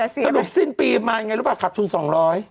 สรุปสิ้นปีมายังไงครับขับทุน๒๐๐